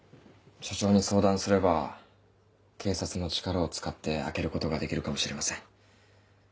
署長に相談すれば警察の力を使って開けることができるかもしれません。